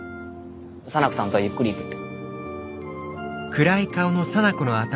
沙名子さんとはゆっくり行くって。